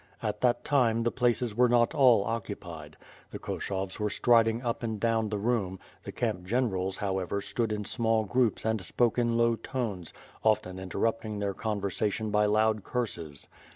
At that time the places were not all occupied. The Koshovs were striding up and down the room; the camp generals however stood in small groups and spoke in low tones, often interrupting their conversation by loud curses.